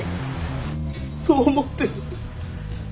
そう思って。